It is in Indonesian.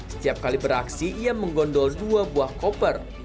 setiap kali beraksi ia menggondol dua buah koper